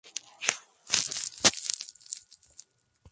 De todos los artistas de su tiempo, Manet fue quizás el más contradictorio.